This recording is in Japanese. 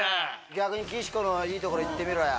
逆に岸子のいいところ言ってみろよ。